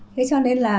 thế cho nên là